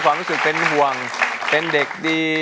ความรู้สึกเป็นห่วงเป็นเด็กดี